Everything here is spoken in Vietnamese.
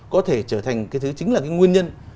có thể trở thành cái thứ chính là cái nguyên nhân